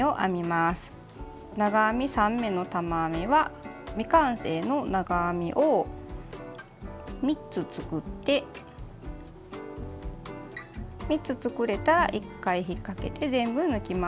長編み３目の玉編みは未完成の長編みを３つ作って３つ作れたら１回引っ掛けて全部抜きます。